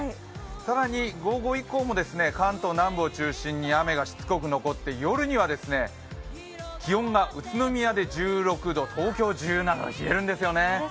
更に午後以降も関東南部を中心に雨がしつこく残って夜には気温が宇都宮で１６度、東京１７度、冷えるんですよね。